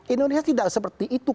indonesia tidak seperti itu